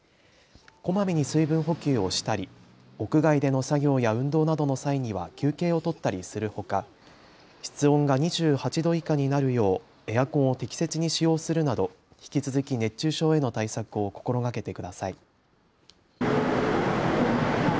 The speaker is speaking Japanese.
こまめに水分補給をしたり屋外での作業や運動などの際には休憩を取ったりするほか室温が２８度以下になるようエアコンを適切に使用するなど引き続き熱中症への対策を心がけてください。